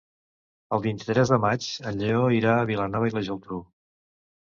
El vint-i-tres de maig en Lleó irà a Vilanova i la Geltrú.